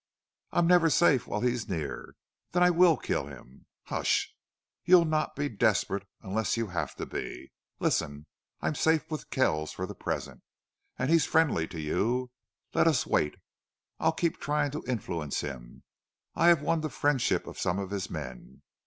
"I'm never safe while he's near." "Then I will kill him." "Hush! you'll not be desperate unless you have to be.... Listen. I'm safe with Kells for the present. And he's friendly to you. Let us wait. I'll keep trying to influence him. I have won the friendship of some of his men.